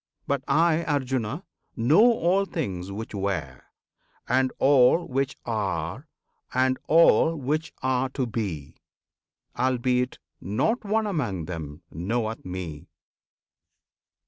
But I, Arjuna! know all things which were, And all which are, and all which are to be, Albeit not one among them knoweth Me!